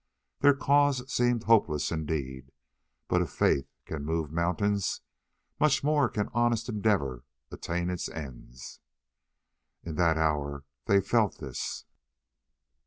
Their cause seemed hopeless indeed; but if faith can move mountains, much more can honest endeavour attain its ends. In that hour they felt this.